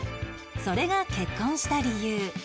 それが結婚した理由